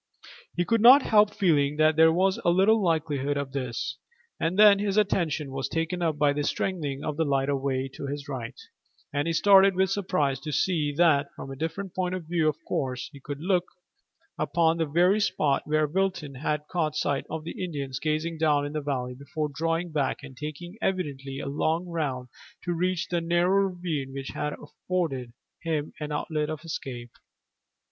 He could not help feeling that there was little likelihood of this, and then his attention was taken up by the strengthening of the light away to his right, and he started with surprise to see that, from a different point of view of course, he could look upon the very spot where Wilton had caught sight of the Indians gazing down into the valley before drawing back and taking evidently a long round to reach the narrow ravine which had afforded him an outlet of escape.